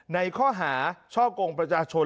ในข้อหาช่อกงประชาชน